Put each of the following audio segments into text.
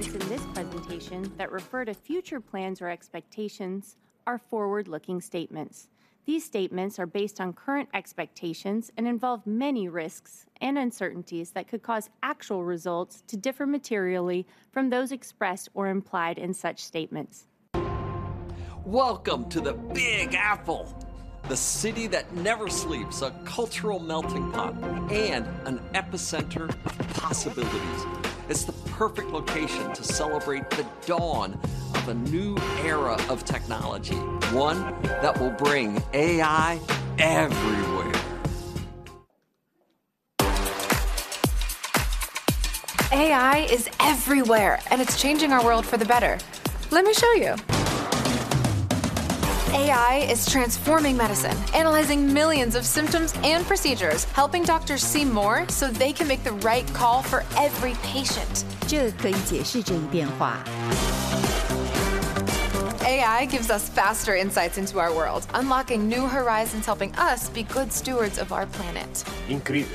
Statements in this presentation that refer to future plans or expectations are forward-looking statements. These statements are based on current expectations and involve many risks and uncertainties that could cause actual results to differ materially from those expressed or implied in such statements. Welcome to the Big Apple, the city that never sleeps, a cultural melting pot, and an epicenter of possibilities. It's the perfect location to celebrate the dawn of a new era of technology, one that will bring AI everywhere. AI is everywhere, and it's changing our world for the better. Let me show you. AI is transforming medicine, analyzing millions of symptoms and procedures, helping doctors see more, so they can make the right call for every patient. AI gives us faster insights into our world, unlocking new horizons, helping us be good stewards of our planet. Increible.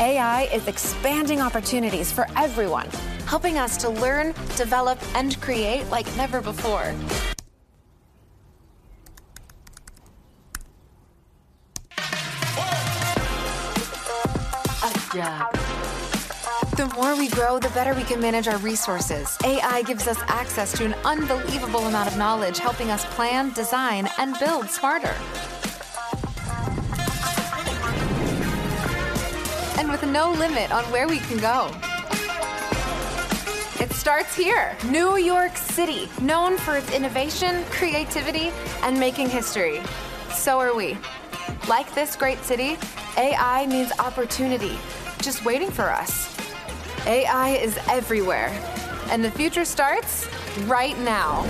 AI is expanding opportunities for everyone, helping us to learn, develop, and create like never before. The more we grow, the better we can manage our resources. AI gives us access to an unbelievable amount of knowledge, helping us plan, design, and build smarter. With no limit on where we can go. It starts here, New York City, known for its innovation, creativity, and making history. So are we. Like this great city, AI means opportunity just waiting for us. AI is everywhere, and the future starts right now.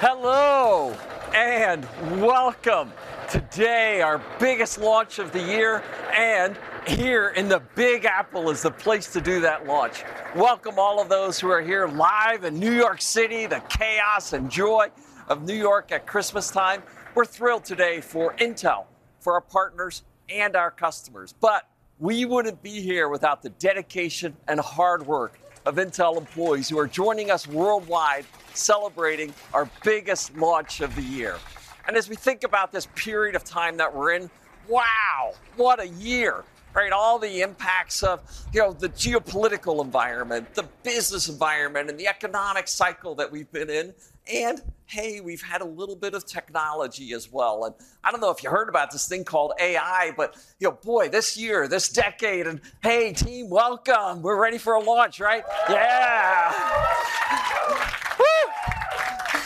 Hello, and welcome. Today, our biggest launch of the year, and here in the Big Apple is the place to do that launch. Welcome, all of those who are here live in New York City, the chaos and joy of New York at Christmas time. We're thrilled today for Intel, for our partners, and our customers. But we wouldn't be here without the dedication and hard work of Intel employees who are joining us worldwide, celebrating our biggest launch of the year. As we think about this period of time that we're in, wow, what a year, right? All the impacts of, you know, the geopolitical environment, the business environment, and the economic cycle that we've been in, and, hey, we've had a little bit of technology as well. And I don't know if you heard about this thing called AI, but, you know, boy, this year, this decade, and hey, team, welcome. We're ready for a launch, right? Yeah. Woo!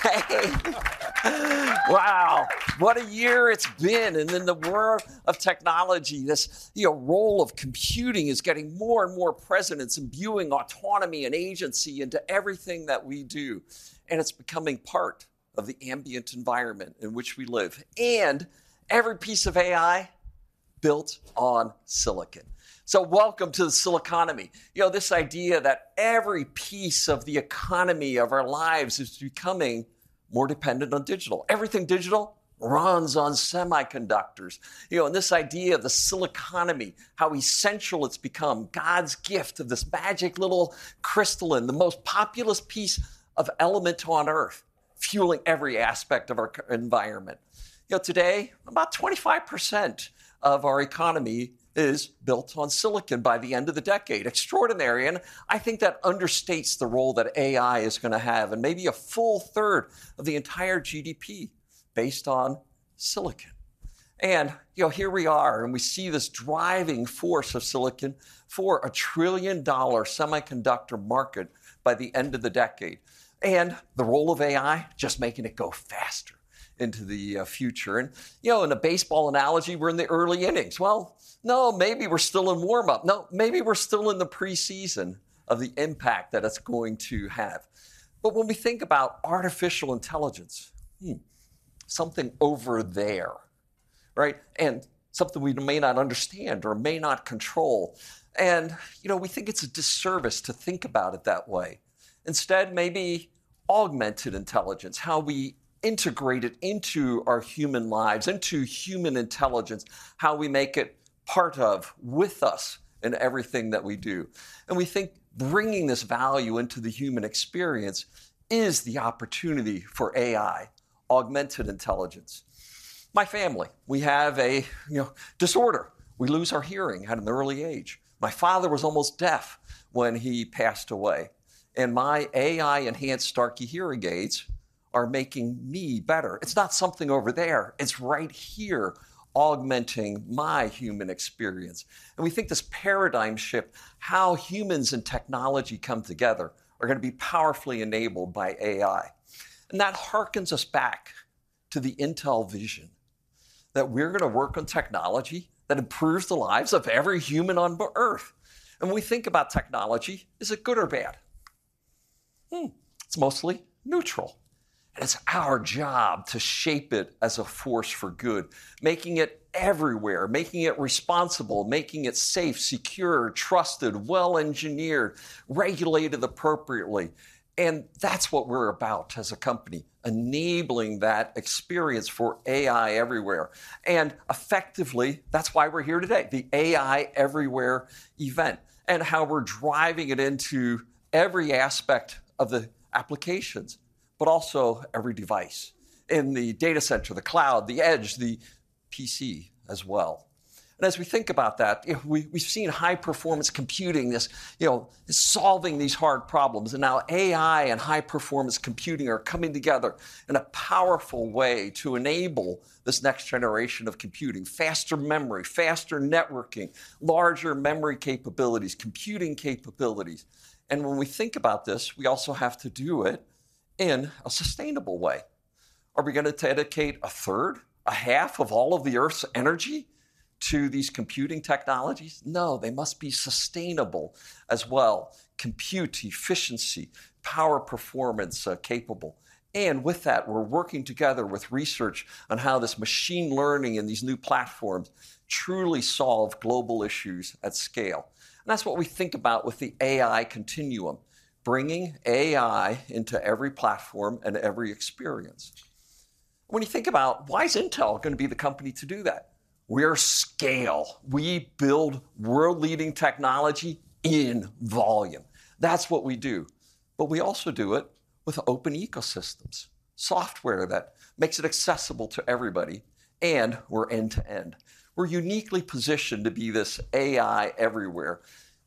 Hey. Wow, what a year it's been. And in the world of technology, this, you know, role of computing is getting more and more present. It's imbuing autonomy and agency into everything that we do, and it's becoming part of the ambient environment in which we live. And every piece of AI built on silicon. So welcome to the siliconomy. You know, this idea that every piece of the economy of our lives is becoming more dependent on digital. Everything digital runs on semiconductors. You know, and this idea of the siliconomy, how essential it's become, God's gift of this magic little crystalline, the most populous piece of element on Earth, fueling every aspect of our environment. You know, today, about 25% of our economy is built on silicon by the end of the decade. Extraordinary, and I think that understates the role that AI is gonna have, and maybe a full third of the entire GDP based on silicon. And, you know, here we are, and we see this driving force of silicon for a $1 trillion semiconductor market by the end of the decade. And the role of AI, just making it go faster into the future. And, you know, in a baseball analogy, we're in the early innings. Well, no, maybe we're still in warm-up. No, maybe we're still in the preseason of the impact that it's going to have. But when we think about artificial intelligence, hmm, something over there, right? And something we may not understand or may not control, and, you know, we think it's a disservice to think about it that way. Instead, maybe augmented intelligence, how we integrate it into our human lives, into human intelligence, how we make it part of, with us in everything that we do. And we think bringing this value into the human experience is the opportunity for AI, augmented intelligence. My family, we have a, you know, disorder. We lose our hearing at an early age. My father was almost deaf when he passed away, and my AI-enhanced Starkey hearing aids are making me better. It's not something over there. It's right here, augmenting my human experience. And we think this paradigm shift, how humans and technology come together, are gonna be powerfully enabled by AI. That hearkens us back to the Intel vision, that we're gonna work on technology that improves the lives of every human on Earth. And when we think about technology, is it good or bad? Hmm, it's mostly neutral, and it's our job to shape it as a force for good, making it everywhere, making it responsible, making it safe, secure, trusted, well-engineered, regulated appropriately. And that's what we're about as a company, enabling that experience for AI everywhere. And effectively, that's why we're here today, the AI Everywhere event, and how we're driving it into every aspect of the applications, but also every device in the data center, the cloud, the edge, the PC as well. As we think about that, if we've seen high-performance computing, this, you know, solving these hard problems, and now AI and high-performance computing are coming together in a powerful way to enable this next generation of computing: faster memory, faster networking, larger memory capabilities, computing capabilities. When we think about this, we also have to do it in a sustainable way. Are we gonna dedicate a third, a half of all of the Earth's energy to these computing technologies? No, they must be sustainable as well. Compute efficiency, power performance, capable. With that, we're working together with research on how this machine learning and these new platforms truly solve global issues at scale. That's what we think about with the AI continuum, bringing AI into every platform and every experience. When you think about why is Intel gonna be the company to do that? We're scale. We build world-leading technology in volume. That's what we do. But we also do it with open ecosystems, software that makes it accessible to everybody, and we're end-to-end. We're uniquely positioned to be this AI everywhere,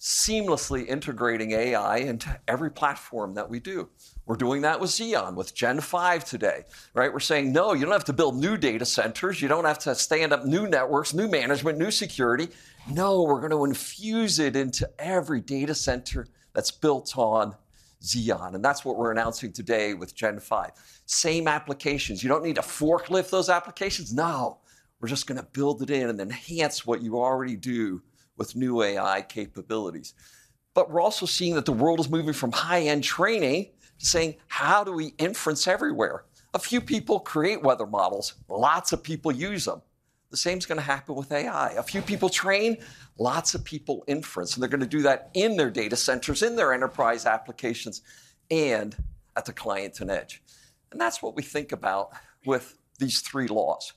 seamlessly integrating AI into every platform that we do. We're doing that with Xeon, with Gen five today, right? We're saying, "No, you don't have to build new data centers. You don't have to stand up new networks, new management, new security. No, we're gonna infuse it into every data center that's built on Xeon," and that's what we're announcing today with Gen five. Same applications. You don't need to forklift those applications. No, we're just gonna build it in and enhance what you already do with new AI capabilities. But we're also seeing that the world is moving from high-end training, saying: How do we inference everywhere? A few people create weather models, lots of people use them. The same is gonna happen with AI. A few people train, lots of people inference, and they're gonna do that in their data centers, in their enterprise applications, and at the client and edge. And that's what we think about with these three laws.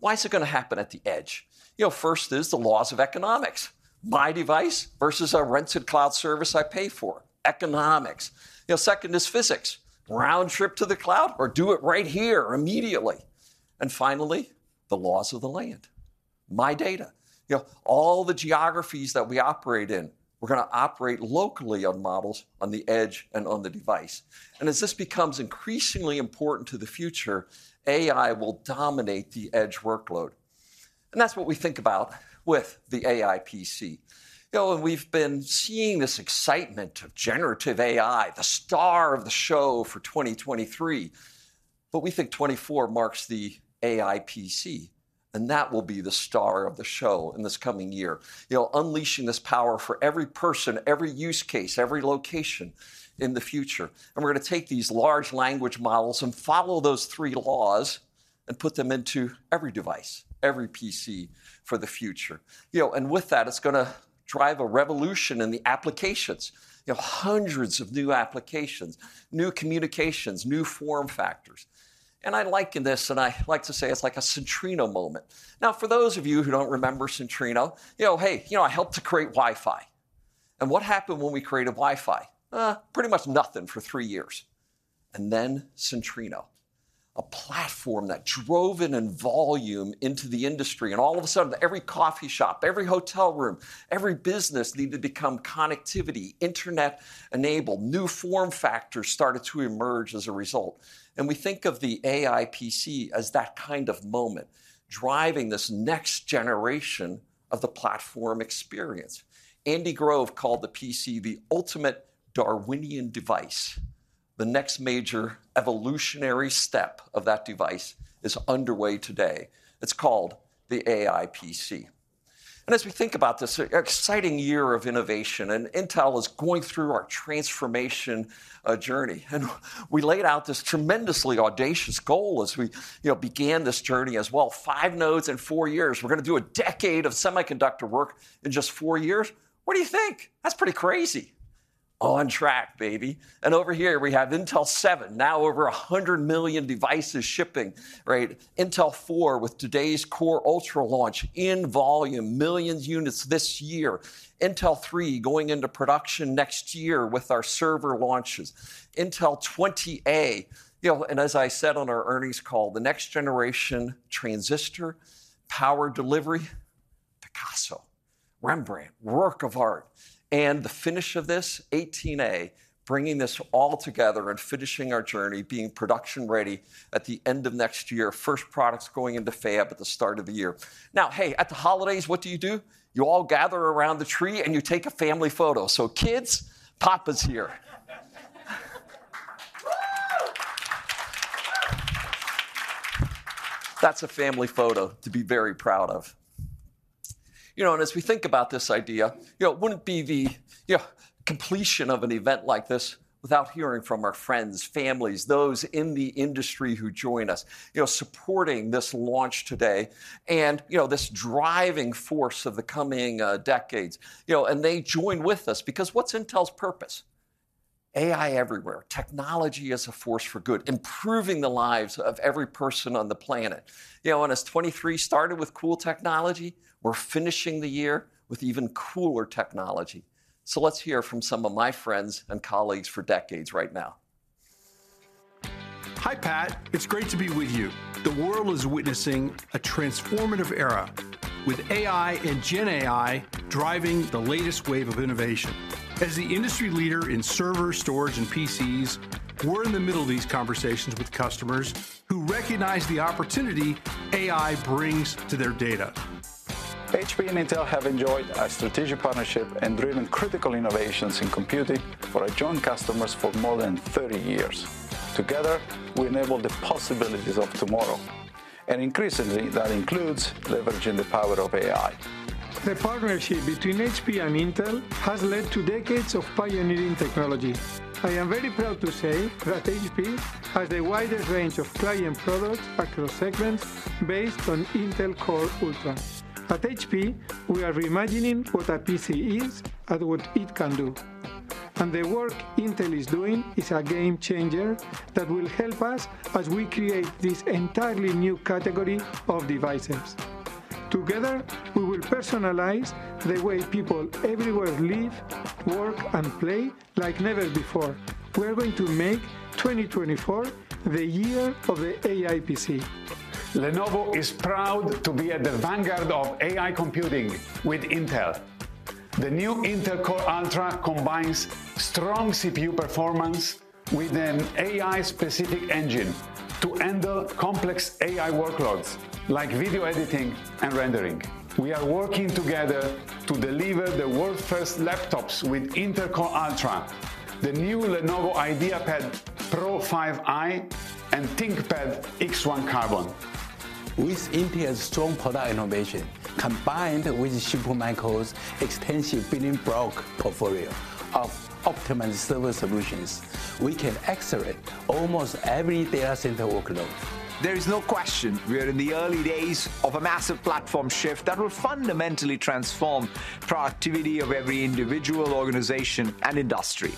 Why is it gonna happen at the edge? You know, first is the laws of economics. My device versus a rented cloud service I pay for, economics. You know, second is physics. Round trip to the cloud, or do it right here immediately. And finally, the laws of the land, my data. You know, all the geographies that we operate in, we're gonna operate locally on models on the edge and on the device. As this becomes increasingly important to the future, AI will dominate the edge workload, and that's what we think about with the AI PC. You know, and we've been seeing this excitement of generative AI, the star of the show for 2023, but we think 2024 marks the AI PC, and that will be the star of the show in this coming year. You know, unleashing this power for every person, every use case, every location in the future, and we're gonna take these large language models and follow those three laws and put them into every device, every PC for the future. You know, and with that, it's gonna drive a revolution in the applications. You know, hundreds of new applications, new communications, new form factors. And I liken this, and I like to say it's like a Centrino moment. Now, for those of you who don't remember Centrino, you know, hey, you know, I helped to create Wi-Fi. And what happened when we created Wi-Fi? Pretty much nothing for three years. And then Centrino, a platform that drove in volume into the industry, and all of a sudden, every coffee shop, every hotel room, every business needed to become connectivity-, internet-enabled. New form factors started to emerge as a result. And we think of the AI PC as that kind of moment, driving this next generation of the platform experience. Andy Grove called the PC the ultimate Darwinian device. The next major evolutionary step of that device is underway today. It's called the AI PC. As we think about this exciting year of innovation, and Intel is going through our transformation journey, and we laid out this tremendously audacious goal as we, you know, began this journey as well. Five nodes in four years. We're gonna do a decade of semiconductor work in just four years? What do you think? That's pretty crazy. On track, baby. And over here we have Intel 7, now over 100 million devices shipping, right? Intel 4, with today's Core Ultra launch in volume, millions units this year. Intel 3 going into production next year with our server launches. Intel 20A, you know, and as I said on our earnings call, the next generation transistor, power delivery, Picasso, Rembrandt, work of art. And the finish of this, 18A, bringing this all together and finishing our journey, being production ready at the end of next year. First products going into fab at the start of the year. Now, hey, at the holidays, what do you do? You all gather around the tree, and you take a family photo. So kids, Papa's here. That's a family photo to be very proud of. You know, and as we think about this idea, you know, it wouldn't be the, you know, completion of an event like this without hearing from our friends, families, those in the industry who join us, you know, supporting this launch today, and, you know, this driving force of the coming decades. You know, and they join with us because what's Intel's purpose? AI everywhere. Technology as a force for good, improving the lives of every person on the planet. You know, and as 2023 started with cool technology, we're finishing the year with even cooler technology. Let's hear from some of my friends and colleagues for decades right now. Hi, Pat. It's great to be with you. The world is witnessing a transformative era, with AI and GenAI driving the latest wave of innovation. As the industry leader in server, storage, and PCs, we're in the middle of these conversations with customers who recognize the opportunity AI brings to their data. HP and Intel have enjoyed a strategic partnership and driven critical innovations in computing for our joint customers for more than 30 years. Together, we enable the possibilities of tomorrow, and increasingly, that includes leveraging the power of AI. The partnership between HP and Intel has led to decades of pioneering technology. I am very proud to say that HP has the widest range of client products across segments based on Intel Core Ultra. At HP, we are reimagining what a PC is and what it can do. The work Intel is doing is a game changer that will help us as we create this entirely new category of devices. Together, we will personalize the way people everywhere live, work, and play like never before. We are going to make 2024 the year of the AI PC. Lenovo is proud to be at the vanguard of AI computing with Intel. The new Intel Core Ultra combines strong CPU performance with an AI-specific engine to handle complex AI workloads, like video editing and rendering. We are working together to deliver the world's first laptops with Intel Core Ultra, the new Lenovo IdeaPad Pro 5i and ThinkPad X1 Carbon. With Intel's strong product innovation, combined with Supermicro's extensive building block portfolio of optimum server solutions, we can accelerate almost every data center workload. There is no question we are in the early days of a massive platform shift that will fundamentally transform productivity of every individual, organization, and industry.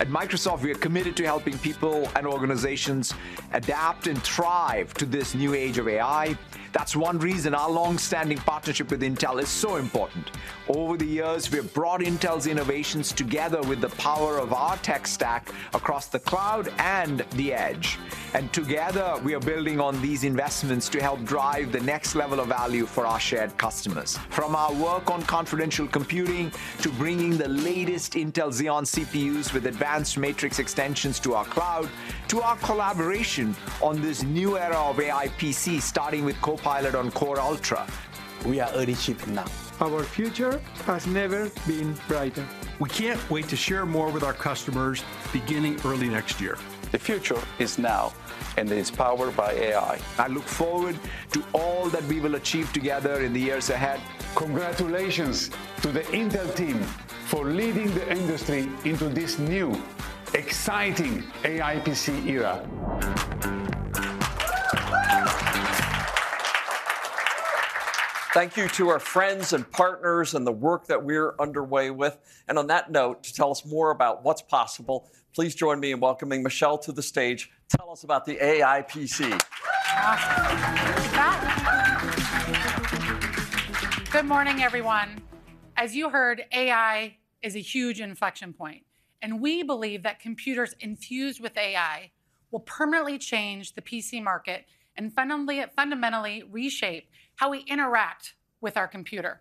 At Microsoft, we are committed to helping people and organizations adapt and thrive to this new age of AI. That's one reason our long-standing partnership with Intel is so important. Over the years, we have brought Intel's innovations together with the power of our tech stack across the cloud and the edge, and together, we are building on these investments to help drive the next level of value for our shared customers. From our work on Confidential Computing, to bringing the latest Intel Xeon CPUs with Advanced Matrix Extensions to our cloud, to our collaboration on this new era of AI PC, starting with Copilot on Core Ultra, we are early shipping now. Our future has never been brighter. We can't wait to share more with our customers beginning early next year. The future is now, and it's powered by AI. I look forward to all that we will achieve together in the years ahead. Congratulations to the Intel team for leading the industry into this new, exciting AI PC era. Thank you to our friends and partners, and the work that we're underway with. On that note, to tell us more about what's possible, please join me in welcoming Michelle to the stage. Tell us about the AI PC. Awesome. Thanks, Pat. Good morning, everyone. As you heard, AI is a huge inflection point, and we believe that computers infused with AI will permanently change the PC market and fundamentally reshape how we interact with our computer.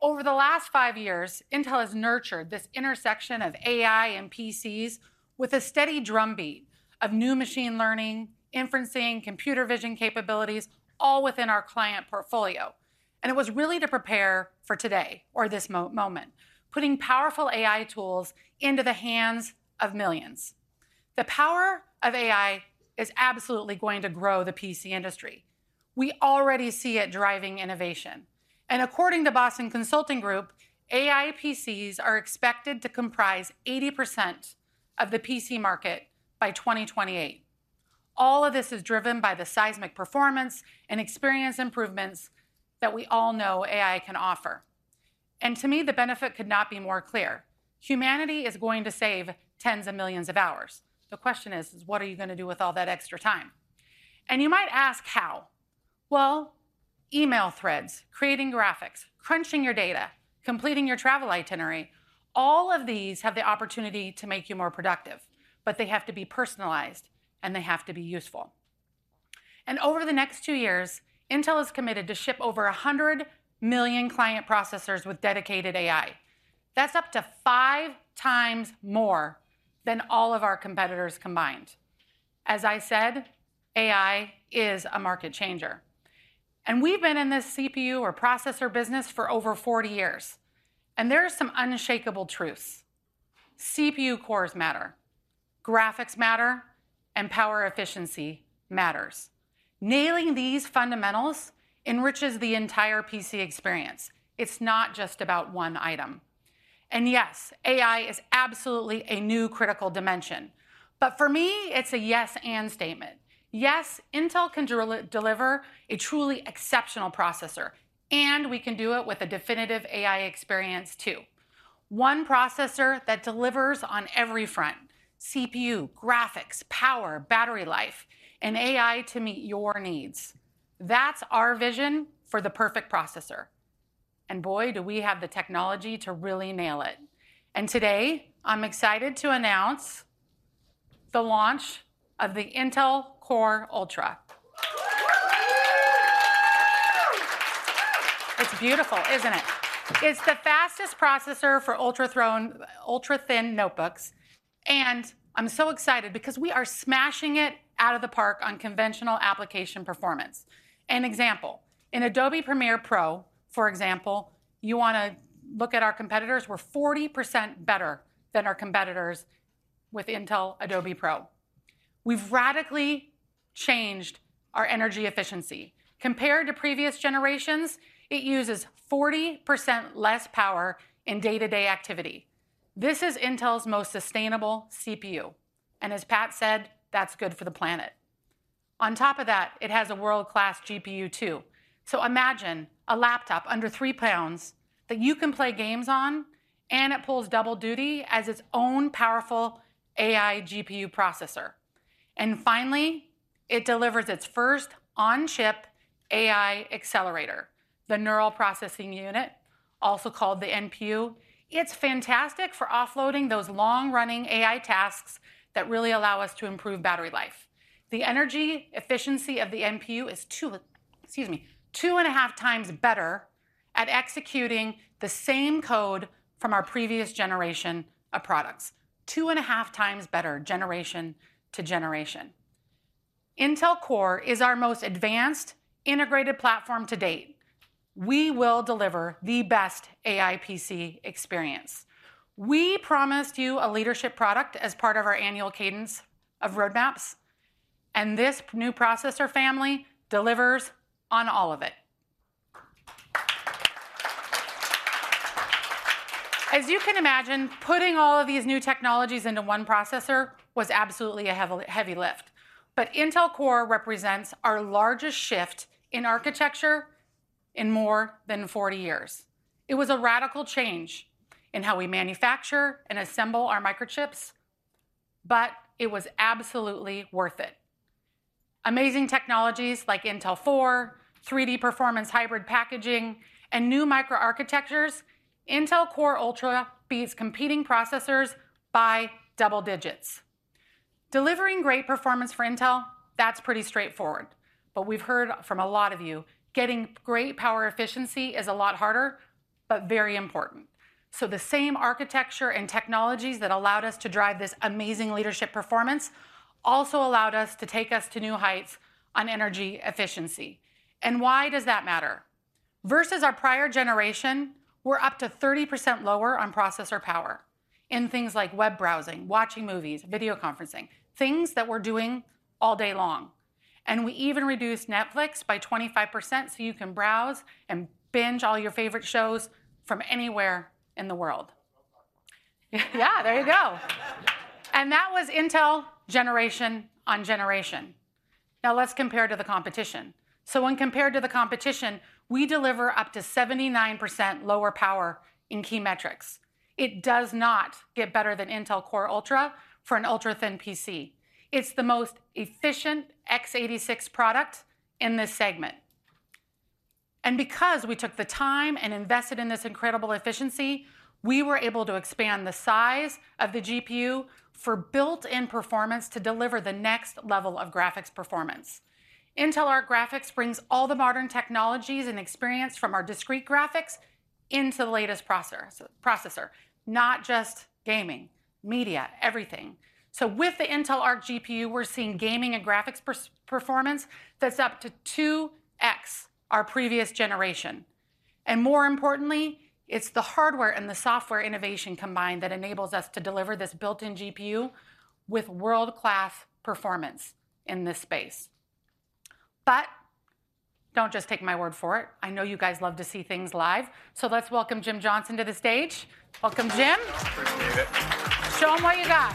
Over the last five years, Intel has nurtured this intersection of AI and PCs with a steady drumbeat of new machine learning, inferencing, computer vision capabilities, all within our client portfolio. It was really to prepare for today or this moment, putting powerful AI tools into the hands of millions. The power of AI is absolutely going to grow the PC industry. We already see it driving innovation, and according to Boston Consulting Group, AI PCs are expected to comprise 80% of the PC market by 2028. All of this is driven by the seismic performance and experience improvements that we all know AI can offer. To me, the benefit could not be more clear. Humanity is going to save tens of millions of hours. The question is, what are you gonna do with all that extra time? You might ask how. Well, email threads, creating graphics, crunching your data, completing your travel itinerary, all of these have the opportunity to make you more productive, but they have to be personalized, and they have to be useful. Over the next two years, Intel is committed to ship over 100 million client processors with dedicated AI. That's up to 5x more than all of our competitors combined. As I said, AI is a market changer, and we've been in this CPU or processor business for over 40 years, and there are some unshakable truths. CPU cores matter, graphics matter, and power efficiency matters. Nailing these fundamentals enriches the entire PC experience. It's not just about one item. Yes, AI is absolutely a new critical dimension, but for me, it's a yes and statement. Yes, Intel can deliver a truly exceptional processor, and we can do it with a definitive AI experience, too. One processor that delivers on every front: CPU, graphics, power, battery life, and AI to meet your needs. That's our vision for the perfect processor, and boy, do we have the technology to really nail it. Today, I'm excited to announce the launch of the Intel Core Ultra. It's beautiful, isn't it? It's the fastest processor for ultra-thin notebooks, and I'm so excited because we are smashing it out of the park on conventional application performance. An example, in Adobe Premiere Pro, for example, you wanna look at our competitors. We're 40% better than our competitors with Intel Adobe Pro. We've radically changed our energy efficiency. Compared to previous generations, it uses 40% less power in day-to-day activity. This is Intel's most sustainable CPU, and as Pat said, "That's good for the planet." On top of that, it has a world-class GPU, too. So imagine a laptop under three pounds that you can play games on, and it pulls double duty as its own powerful AI GPU processor. And finally, it delivers its first on-chip AI accelerator, the neural processing unit, also called the NPU. It's fantastic for offloading those long-running AI tasks that really allow us to improve battery life. The energy efficiency of the NPU is 2.5x better at executing the same code from our previous generation of products. 2.5x better, generation to generation. Intel Core is our most advanced integrated platform to date. We will deliver the best AI PC experience. We promised you a leadership product as part of our annual cadence of roadmaps, and this new processor family delivers on all of it. As you can imagine, putting all of these new technologies into one processor was absolutely a heavy, heavy lift, but Intel Core Ultra represents our largest shift in architecture in more than 40 years. It was a radical change in how we manufacture and assemble our microchips, but it was absolutely worth it. Amazing technologies like Intel 4, 3D performance hybrid packaging, and new microarchitectures. Intel Core Ultra beats competing processors by double digits. Delivering great performance for Intel, that's pretty straightforward, but we've heard from a lot of you, getting great power efficiency is a lot harder, but very important. So the same architecture and technologies that allowed us to drive this amazing leadership performance also allowed us to take us to new heights on energy efficiency. And why does that matter? Versus our prior generation, we're up to 30% lower on processor power in things like web browsing, watching movies, video conferencing, things that we're doing all day long. And we even reduced Netflix by 25%, so you can browse and binge all your favorite shows from anywhere in the world. That was Intel generation on generation. Now, let's compare to the competition. So when compared to the competition, we deliver up to 79% lower power in key metrics. It does not get better than Intel Core Ultra for an ultra-thin PC. It's the most efficient x86 product in this segment. And because we took the time and invested in this incredible efficiency, we were able to expand the size of the GPU for built-in performance to deliver the next level of graphics performance. Intel Arc Graphics brings all the modern technologies and experience from our discrete graphics into the latest processor. Not just gaming, media, everything. So with the Intel Arc GPU, we're seeing gaming and graphics performance that's up to 2x our previous generation. More importantly, it's the hardware and the software innovation combined that enables us to deliver this built-in GPU with world-class performance in this space. But don't just take my word for it. I know you guys love to see things live, so let's welcome Jim Johnson to the stage. Welcome, Jim. Appreciate it. Show them what you got.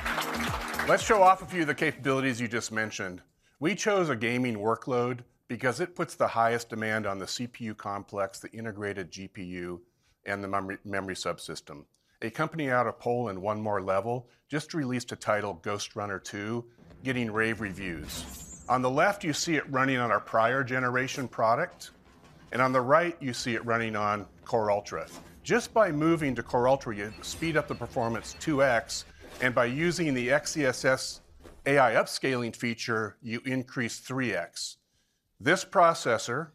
Let's show off a few of the capabilities you just mentioned. We chose a gaming workload because it puts the highest demand on the CPU complex, the integrated GPU, and the memory, memory subsystem. A company out of Poland, One More Level just released a title, Ghostrunner 2, getting rave reviews. On the left, you see it running on our prior generation product, and on the right, you see it running on Core Ultra. Just by moving to Core Ultra, you speed up the performance 2x, and by using the XeSS AI upscaling feature, you increase 3x. This processor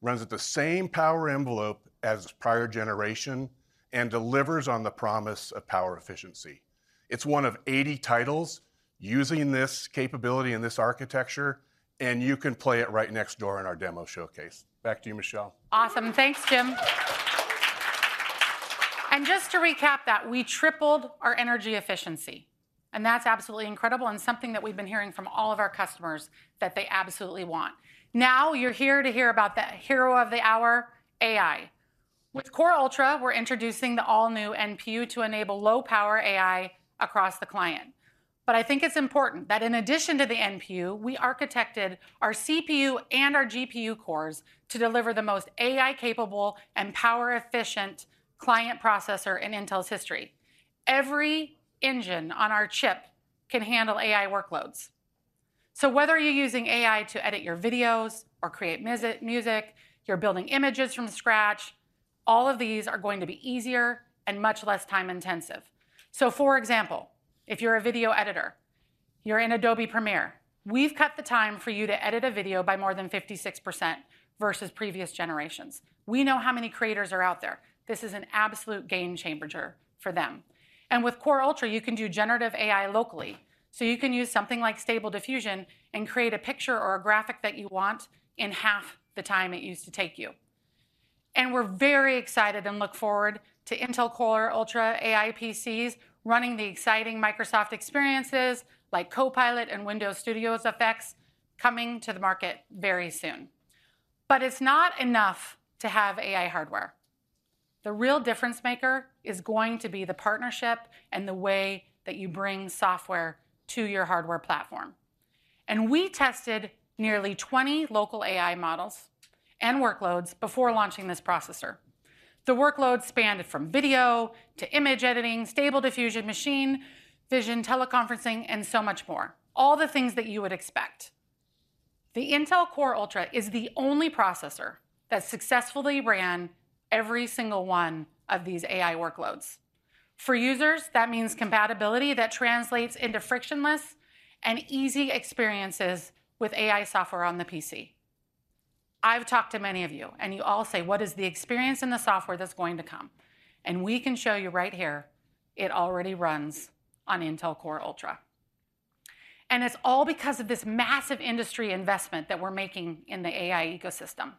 runs at the same power envelope as its prior generation and delivers on the promise of power efficiency. It's one of 80 titles using this capability and this architecture and you can play it right next door in our demo showcase. Back to you, Michelle. Awesome. Thanks, Jim. Just to recap that, we tripled our energy efficiency, and that's absolutely incredible, and something that we've been hearing from all of our customers that they absolutely want. Now, you're here to hear about the hero of the hour, AI. With Core Ultra, we're introducing the all-new NPU to enable low-power AI across the client. But I think it's important that in addition to the NPU, we architected our CPU and our GPU cores to deliver the most AI-capable and power-efficient client processor in Intel's history. Every engine on our chip can handle AI workloads. So whether you're using AI to edit your videos or create music, you're building images from scratch, all of these are going to be easier and much less time intensive. So, for example, if you're a video editor, you're in Adobe Premiere, we've cut the time for you to edit a video by more than 56% versus previous generations. We know how many creators are out there. This is an absolute game changer for them. And with Core Ultra, you can do generative AI locally, so you can use something like Stable Diffusion and create a picture or a graphic that you want in half the time it used to take you. And we're very excited and look forward to Intel Core Ultra AI PCs running the exciting Microsoft experiences, like Copilot and Windows Studio Effects, coming to the market very soon. But it's not enough to have AI hardware. The real difference maker is going to be the partnership and the way that you bring software to your hardware platform. We tested nearly 20 local AI models and workloads before launching this processor. The workloads spanned from video to image editing, Stable Diffusion, machine vision, teleconferencing, and so much more, all the things that you would expect. The Intel Core Ultra is the only processor that successfully ran every single one of these AI workloads. For users, that means compatibility that translates into frictionless and easy experiences with AI software on the PC. I've talked to many of you, and you all say, "What is the experience and the software that's going to come?" And we can show you right here, it already runs on Intel Core Ultra. And it's all because of this massive industry investment that we're making in the AI ecosystem.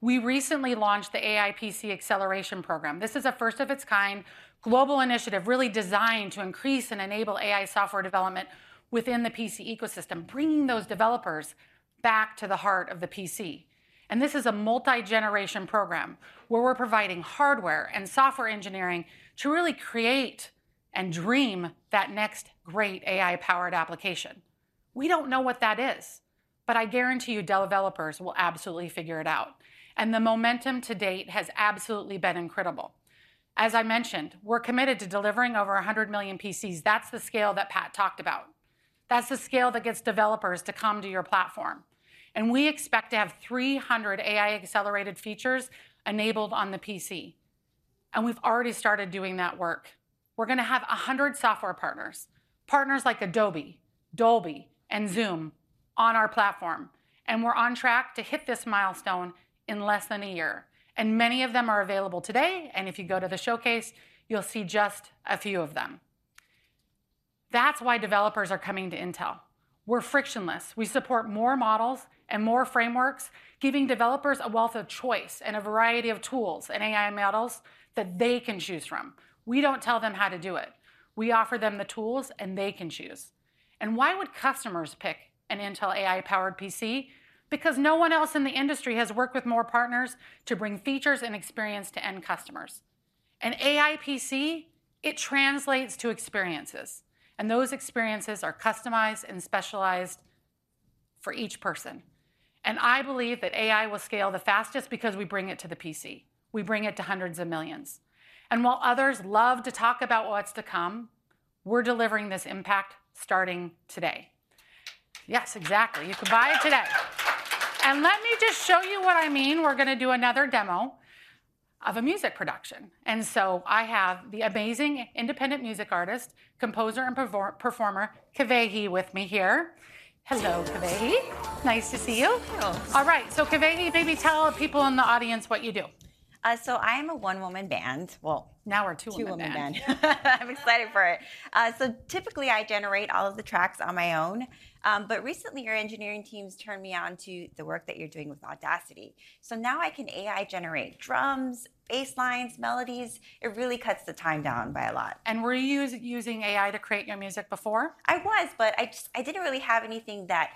We recently launched the AI PC Acceleration Program. This is a first of its kind, global initiative, really designed to increase and enable AI software development within the PC ecosystem, bringing those developers back to the heart of the PC. And this is a multi-generation program, where we're providing hardware and software engineering to really create and dream that next great AI-powered application. We don't know what that is, but I guarantee you, developers will absolutely figure it out. And the momentum to date has absolutely been incredible. As I mentioned, we're committed to delivering over 100 million PCs. That's the scale that Pat talked about. That's the scale that gets developers to come to your platform, and we expect to have 300 AI accelerated features enabled on the PC, and we've already started doing that work. We're gonna have 100 software partners, partners like Adobe, Dolby, and Zoom on our platform, and we're on track to hit this milestone in less than a year. Many of them are available today, and if you go to the showcase, you'll see just a few of them. That's why developers are coming to Intel. We're frictionless. We support more models and more frameworks, giving developers a wealth of choice and a variety of tools and AI models that they can choose from. We don't tell them how to do it. We offer them the tools, and they can choose. Why would customers pick an Intel AI-powered PC? Because no one else in the industry has worked with more partners to bring features and experience to end customers. An AI PC, it translates to experiences, and those experiences are customized and specialized for each person. And I believe that AI will scale the fastest because we bring it to the PC. We bring it to hundreds of millions. And while others love to talk about what's to come, we're delivering this impact starting today. Yes, exactly. You can buy it today. And let me just show you what I mean. We're gonna do another demo of a music production, and so I have the amazing independent music artist, composer, and performer, Kevehi, with me here. Hello, Kevehi. Nice to see you. Thank you. All right, so Kevehi, maybe tell people in the audience what you do. So I am a one-woman band. Well, now we're a two-woman band. Two-woman band. I'm excited for it. So typically, I generate all of the tracks on my own. But recently, your engineering teams turned me on to the work that you're doing with Audacity. So now I can AI-generate drums, bass lines, melodies. It really cuts the time down by a lot. Were you using AI to create your music before? I was, but I just... I didn't really have anything that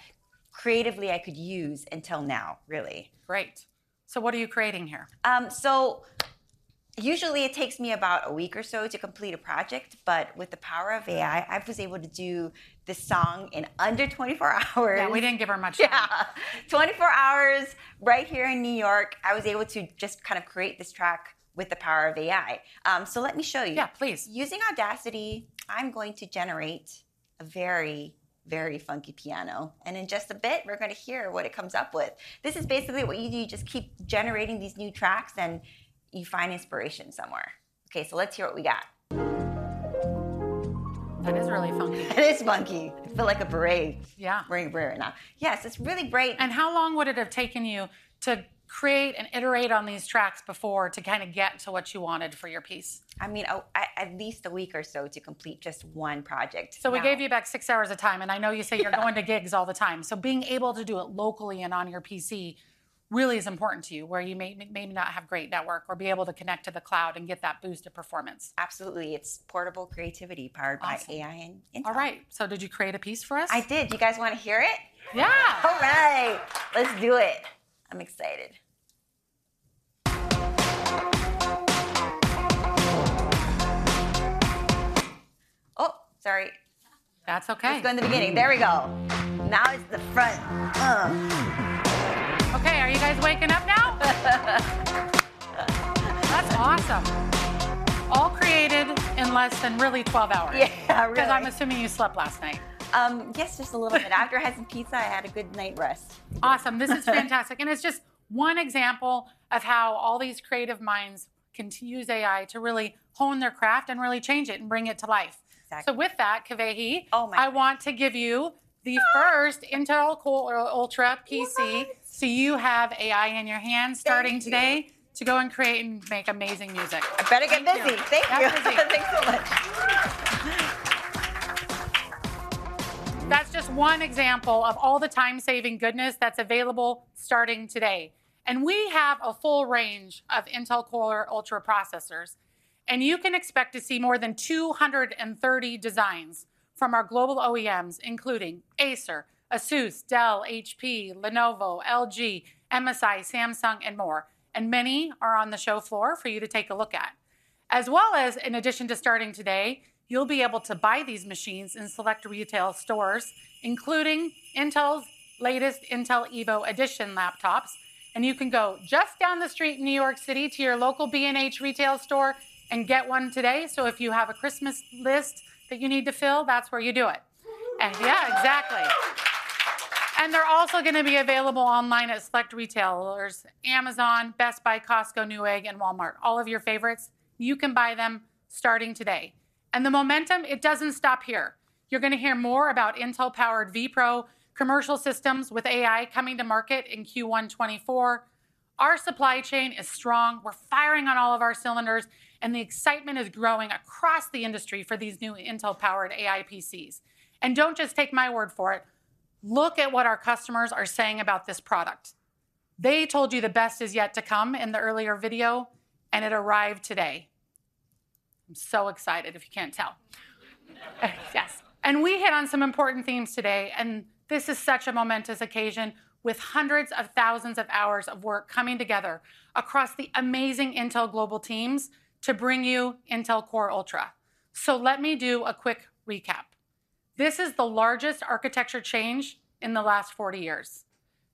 creatively I could use until now, really. Great. So what are you creating here? Usually it takes me about a week or so to complete a project, but with the power of AI, I was able to do this song in under 24 hours. Yeah, we didn't give her much time. Yeah. 24 hours, right here in New York, I was able to just kind of create this track with the power of AI. So let me show you. Yeah, please. Using Audacity, I'm going to generate a very, very funky piano, and in just a bit, we're gonna hear what it comes up with. This is basically what you do. You just keep generating these new tracks, and you find inspiration somewhere. Okay, so let's hear what we got. That is really funky. It is funky. I feel like a parade- Yeah... bringing wear it now. Yes, it's really great- How long would it have taken you to create and iterate on these tracks before to kind of get to what you wanted for your piece? I mean, oh, at least a week or so to complete just one project now. So we gave you about six hours of time, and I know you say you're going to gigs all the time, so being able to do it locally and on your PC really is important to you, where you may not have great network or be able to connect to the cloud and get that boost of performance. Absolutely. It's portable creativity powered by- Awesome... AI and Intel. All right, so did you create a piece for us? I did. Do you guys wanna hear it? Yeah! All right, let's do it. I'm excited. Oh, sorry! That's okay. Let's go in the beginning. There we go. Now it's the front. Okay, are you guys waking up now? That's awesome. All created in less than really 12 hours. Yeah, really. 'Cause I'm assuming you slept last night. Yes, just a little bit. After I had some pizza, I had a good night rest. Awesome. This is fantastic, and it's just one example of how all these creative minds can use AI to really hone their craft, and really change it, and bring it to life. Exactly. With that, Kaveh, Oh, my- I want to give you the first Intel Core Ultra PC. You have AI in your hands starting today- Thank you... to go and create and make amazing music. I better get busy. Thank you. Absolutely. Thanks so much. That's just one example of all the time-saving goodness that's available starting today. We have a full range of Intel Core Ultra processors, and you can expect to see more than 230 designs from our global OEMs, including Acer, ASUS, Dell, HP, Lenovo, LG, MSI, Samsung, and more, and many are on the show floor for you to take a look at. As well as, in addition to starting today, you'll be able to buy these machines in select retail stores, including Intel's latest Intel Evo Edition laptops, and you can go just down the street in New York City to your local B&H retail store and get one today. So if you have a Christmas list that you need to fill, that's where you do it. Yeah, exactly. They're also gonna be available online at select retailers: Amazon, Best Buy, Costco, Newegg, and Walmart. All of your favorites, you can buy them starting today. The momentum, it doesn't stop here. You're gonna hear more about Intel-powered vPro commercial systems with AI coming to market in Q1 2024. Our supply chain is strong. We're firing on all of our cylinders, and the excitement is growing across the industry for these new Intel-powered AI PCs. Don't just take my word for it. Look at what our customers are saying about this product. They told you the best is yet to come in the earlier video, and it arrived today. I'm so excited, if you can't tell. Yes, we hit on some important themes today, and this is such a momentous occasion, with hundreds of thousands of hours of work coming together across the amazing Intel global teams to bring you Intel Core Ultra. So let me do a quick recap. This is the largest architecture change in the last 40 years,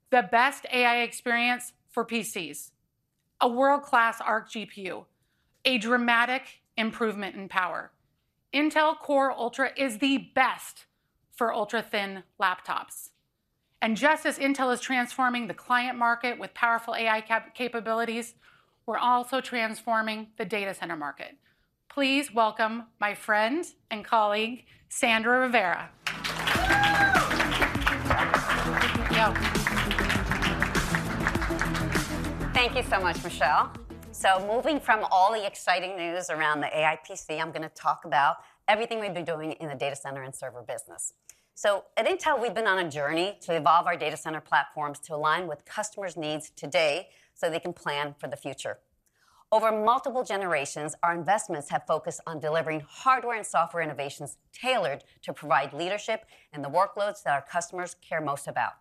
the best AI experience for PCs, a world-class Arc GPU, a dramatic improvement in power. Intel Core Ultra is the best for ultra-thin laptops. Just as Intel is transforming the client market with powerful AI capabilities, we're also transforming the data center market. Please welcome my friend and colleague, Sandra Rivera. Thank you so much, Michelle. So moving from all the exciting news around the AI PC, I'm gonna talk about everything we've been doing in the data center and server business. So at Intel, we've been on a journey to evolve our data center platforms to align with customers' needs today, so they can plan for the future. Over multiple generations, our investments have focused on delivering hardware and software innovations tailored to provide leadership in the workloads that our customers care most about,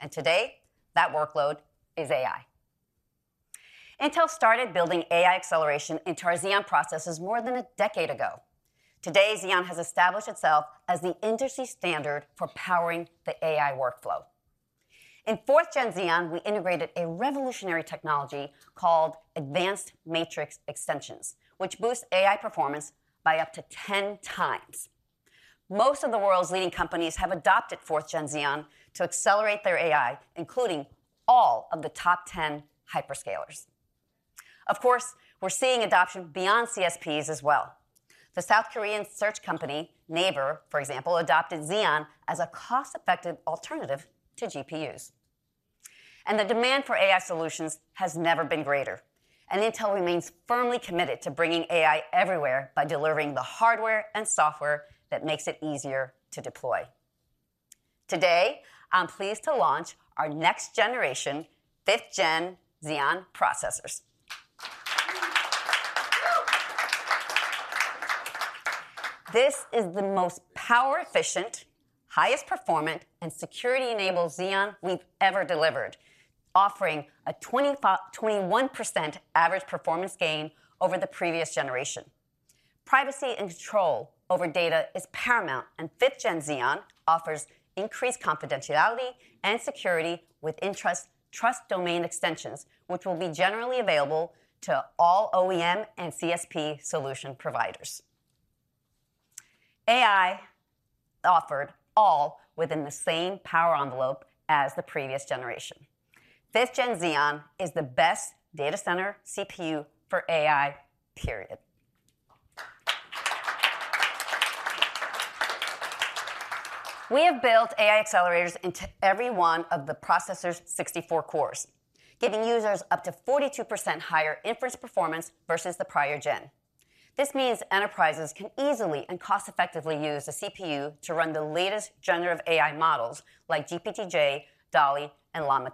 and today, that workload is AI. Intel started building AI acceleration into our Xeon processors more than a decade ago. Today, Xeon has established itself as the industry standard for powering the AI workflow. In 4th Gen Xeon, we integrated a revolutionary technology called Advanced Matrix Extensions, which boosts AI performance by up to 10x. Most of the world's leading companies have adopted 4th Gen Xeon to accelerate their AI, including all of the top 10 hyperscalers. Of course, we're seeing adoption beyond CSPs as well. The South Korean search company, Naver, for example, adopted Xeon as a cost-effective alternative to GPUs. The demand for AI solutions has never been greater, and Intel remains firmly committed to bringing AI everywhere by delivering the hardware and software that makes it easier to deploy. Today, I'm pleased to launch our next generation 5th Gen Xeon processors. This is the most power efficient, highest performant, and security-enabled Xeon we've ever delivered, offering a 21% average performance gain over the previous generation. Privacy and control over data is paramount, and 5th Gen Xeon offers increased confidentiality and security with Intel Trust Domain Extensions, which will be generally available to all OEM and CSP solution providers. AI offered all within the same power envelope as the previous generation. 5th Gen Xeon is the best data center CPU for AI, period. We have built AI accelerators into every one of the processor's 64 cores, giving users up to 42% higher inference performance versus the prior gen. This means enterprises can easily and cost-effectively use a CPU to run the latest generative AI models, like GPT-J, DALL-E, and Llama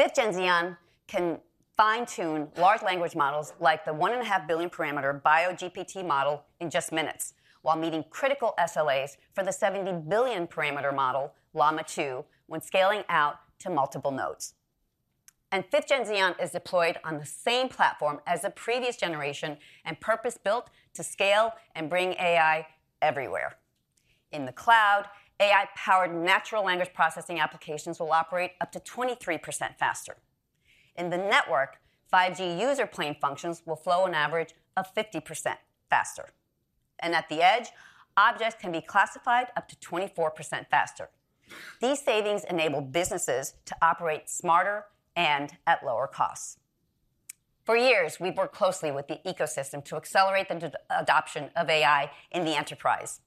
2. 5th Gen Xeon can fine-tune large language models like the 1.5 billion-parameter BioGPT model in just minutes, while meeting critical SLAs for the 70 billion-parameter model, Llama 2, when scaling out to multiple nodes. 5th Gen Xeon is deployed on the same platform as the previous generation, and purpose-built to scale and bring AI everywhere. In the cloud, AI-powered natural language processing applications will operate up to 23% faster. In the network, 5G user plane functions will flow an average of 50% faster. At the edge, objects can be classified up to 24% faster. These savings enable businesses to operate smarter and at lower costs. For years, we've worked closely with the ecosystem to accelerate the adoption of AI in the enterprise.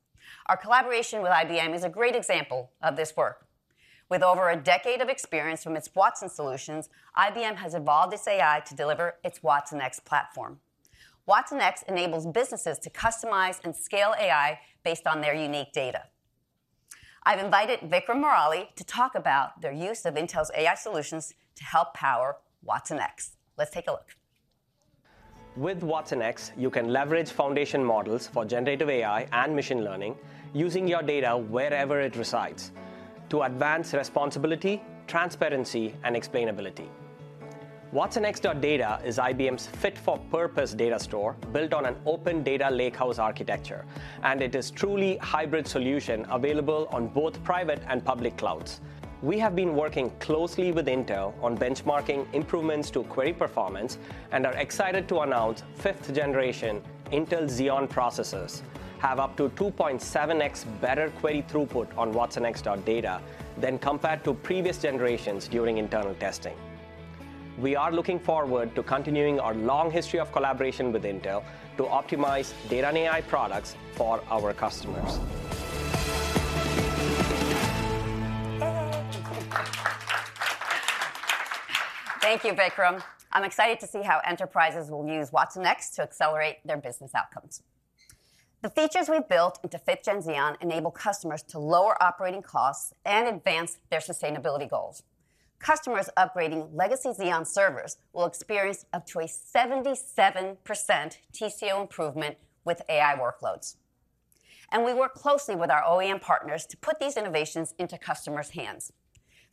Our collaboration with IBM is a great example of this work. With over a decade of experience from its Watson solutions, IBM has evolved its AI to deliver its Watsonx platform. Watsonx enables businesses to customize and scale AI based on their unique data. I've invited Vikram Murali to talk about their use of Intel's AI solutions to help power Watsonx. Let's take a look. With Watsonx, you can leverage foundation models for generative AI and machine learning using your data wherever it resides, to advance responsibility, transparency, and explainability. watsonx.data is IBM's fit-for-purpose data store built on an open data lakehouse architecture, and it is truly hybrid solution available on both private and public clouds. We have been working closely with Intel on benchmarking improvements to query performance, and are excited to announce fifth generation Intel Xeon processors have up to 2.7x better query throughput on watsonx.data than compared to previous generations during internal testing. We are looking forward to continuing our long history of collaboration with Intel to optimize data and AI products for our customers. Thank you, Vikram. I'm excited to see how enterprises will use watsonx to accelerate their business outcomes. The features we've built into 5th Gen Xeon enable customers to lower operating costs and advance their sustainability goals. Customers upgrading legacy Xeon servers will experience up to a 77% TCO improvement with AI workloads. We work closely with our OEM partners to put these innovations into customers' hands.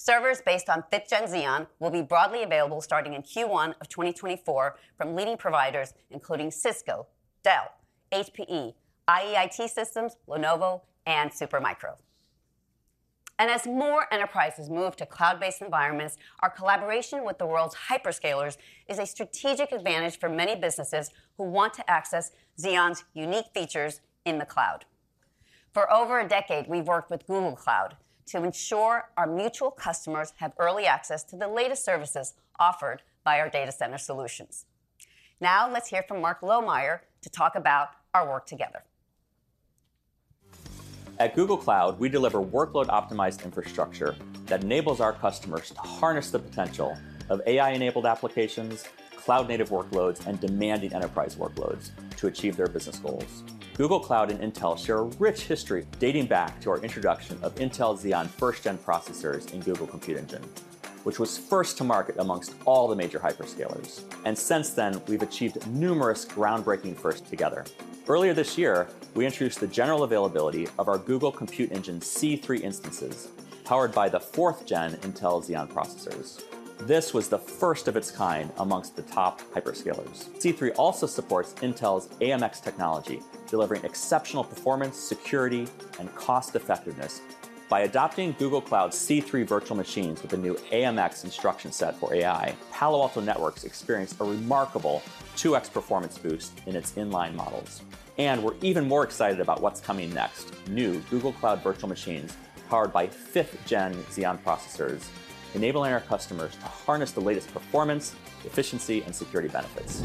Servers based on 5th Gen Xeon will be broadly available starting in Q1 of 2024 from leading providers, including Cisco, Dell, HPE, IEIT Systems, Lenovo, and Supermicro. As more enterprises move to cloud-based environments, our collaboration with the world's hyperscalers is a strategic advantage for many businesses who want to access Xeon's unique features in the cloud. For over a decade, we've worked with Google Cloud to ensure our mutual customers have early access to the latest services offered by our data center solutions. Now, let's hear from Mark Lohmeyer to talk about our work together. At Google Cloud, we deliver workload-optimized infrastructure that enables our customers to harness the potential of AI-enabled applications, cloud-native workloads, and demanding enterprise workloads to achieve their business goals. Google Cloud and Intel share a rich history, dating back to our introduction of Intel Xeon first gen processors in Google Compute Engine, which was first to market amongst all the major hyperscalers. Since then, we've achieved numerous groundbreaking firsts together. Earlier this year, we introduced the general availability of our Google Compute Engine C3 instances, powered by the fourth gen Intel Xeon processors. This was the first of its kind amongst the top hyperscalers. C3 also supports Intel's AMX technology, delivering exceptional performance, security, and cost-effectiveness. By adopting Google Cloud's C3 virtual machines with the new AMX instruction set for AI, Palo Alto Networks experienced a remarkable 2x performance boost in its inline models. We're even more excited about what's coming next: new Google Cloud virtual machines powered by 5th Gen Xeon processors, enabling our customers to harness the latest performance, efficiency, and security benefits.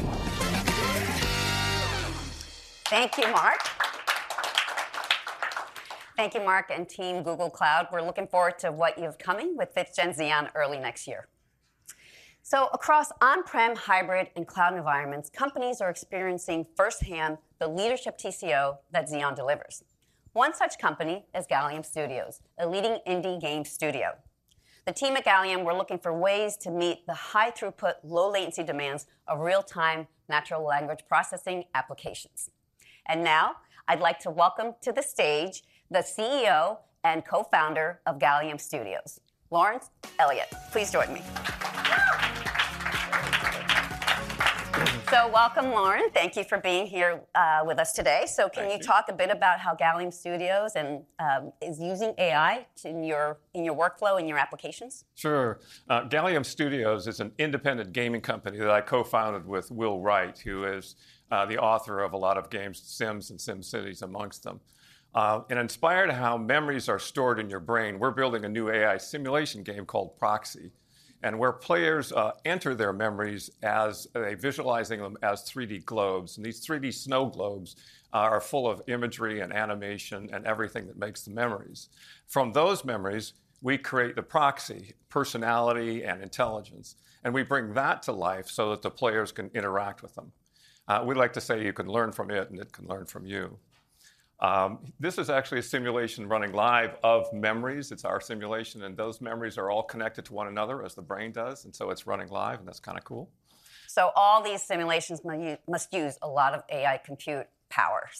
Thank you, Mark. Thank you, Mark and team Google Cloud. We're looking forward to what you have coming with Fifth Gen Xeon early next year. So across on-prem, hybrid, and cloud environments, companies are experiencing firsthand the leadership TCO that Xeon delivers. One such company is Gallium Studios, a leading indie game studio. The team at Gallium were looking for ways to meet the high throughput, low latency demands of real-time natural language processing applications. And now, I'd like to welcome to the stage the CEO and co-founder of Gallium Studios, Lauren Elliott. Please join me. So welcome, Lawrence. Thank you for being here with us today. Thank you. So can you talk a bit about how Gallium Studios and is using AI in your, in your workflow, in your applications? Sure. Gallium Studios is an independent gaming company that I co-founded with Will Wright, who is, the author of a lot of games, Sims and SimCities amongst them. And inspired how memories are stored in your brain, we're building a new AI simulation game called Proxi, and where players, enter their memories as they're visualizing them as 3D globes, and these 3D snow globes are full of imagery and animation and everything that makes the memories. From those memories, we create the Proxi personality, and intelligence, and we bring that to life so that the players can interact with them. We like to say you can learn from it, and it can learn from you. This is actually a simulation running live of memories. It's our simulation, and those memories are all connected to one another, as the brain does, and so it's running live, and that's kinda cool. So all these simulations must use a lot of AI compute power.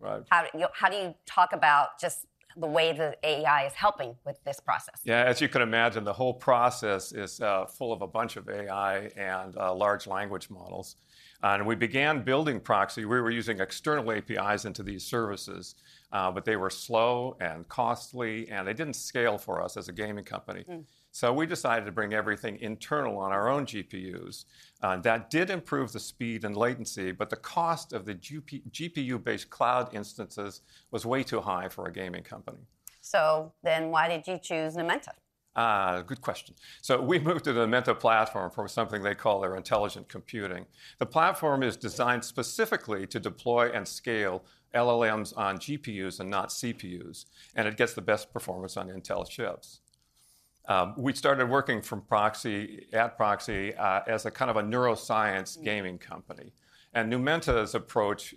Right. How do you talk about just the way that AI is helping with this process? Yeah, as you can imagine, the whole process is full of a bunch of AI and large language models. We began building Proxy, we were using external APIs into these services, but they were slow and costly, and they didn't scale for us as a gaming company. Mm. So we decided to bring everything internal on our own GPUs. That did improve the speed and latency, but the cost of the GPU-based cloud instances was way too high for a gaming company. Why did you choose Numenta? Ah, good question. So we moved to the Numenta platform for something they call their intelligent computing. The platform is designed specifically to deploy and scale LLMs on GPUs and not CPUs, and it gets the best performance on Intel chips. e started working from Proxy, at Proxy, as a kind of a neuroscience- gaming company. Numenta's approach